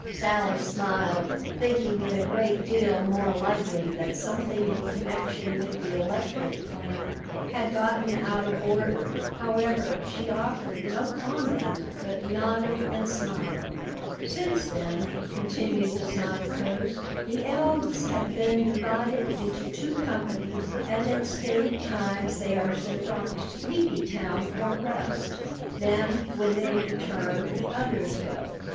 Sally smiled, thinking it a great deal more likely that something in connection with the electric plan had gotten out of order. However, she offered no comment but nodded and smiled. "Since then," continued the Sign Post, "the elves have been divided into two companies, and at stated times they are sent off to Sleepy Town for rest. Then when they return the others go.